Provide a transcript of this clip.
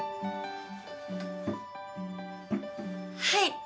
はい。